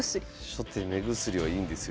初手目薬はいいんですよ